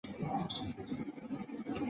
清朝嘉庆年间重修。